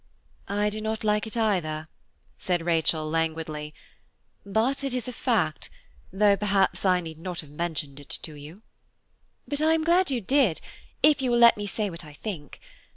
"I do not like it either," said Rachel languidly, "but it is a fact, though perhaps I need not have mentioned it to you." "But I am glad you did, if you will let me say what I think.